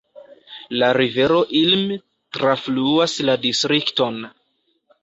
La rivero Ilm trafluas la distrikton.